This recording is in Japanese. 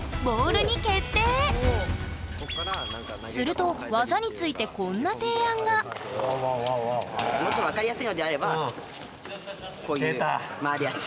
すると技についてこんな提案がもっと分かりやすいのであればこういう回るやつ。